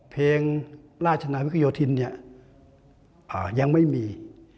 เพลงราชนาวิกยศยอโทษณยังไม่มี